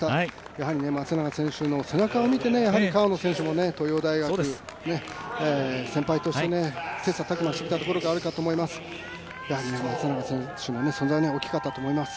やはり松永選手の背中を見てやはり川野選手も東洋大学、先輩として切磋琢磨してきたところがあると思います。